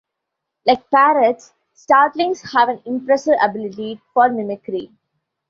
Like parrots, starlings have an impressive ability for mimicry.